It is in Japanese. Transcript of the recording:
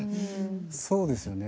そうですよね。